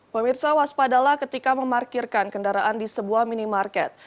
pemirsa waspadalah ketika memarkirkan kendaraan di sebuah minimarket